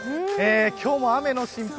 今日も雨の心配